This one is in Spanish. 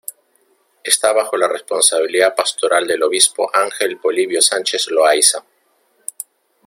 Esta bajo la responsabilidad pastoral del obispo Ángel Polibio Sánchez Loaiza.